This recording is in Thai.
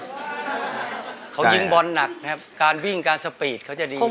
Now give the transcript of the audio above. เขายิงบอลหนักนะครับการวิ่งการสปีดเขาจะดี